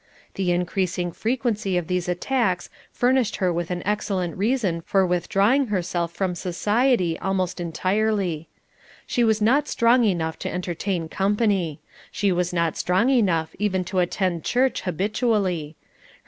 The increasing frequency of these attacks furnished her with an excellent reason for withdrawing herself from society almost entirely. She was not strong enough to entertain company. She was not strong enough even to attend church habitually.